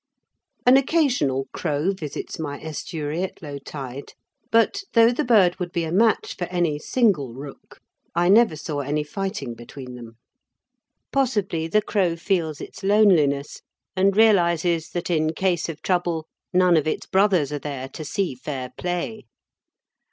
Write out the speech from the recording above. An occasional crow visits my estuary at low tide, but, though the bird would be a match for any single rook, I never saw any fighting between them. Possibly the crow feels its loneliness and realises that in case of trouble none of its brothers are there to see fair play.